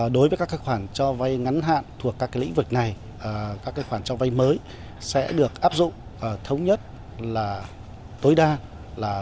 đối với các khoản cho vay ngắn hạn thuộc các lĩnh vực này các khoản cho vay mới sẽ được áp dụng thống nhất là tối đa là